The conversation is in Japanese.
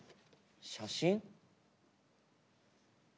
写真？